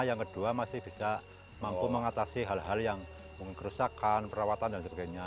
yang kedua masih bisa mampu mengatasi hal hal yang mungkin kerusakan perawatan dan sebagainya